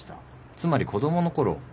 つまり子供のころ